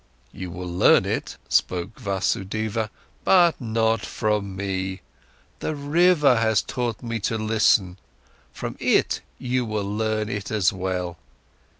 "You will learn it," spoke Vasudeva, "but not from me. The river has taught me to listen, from it you will learn it as well.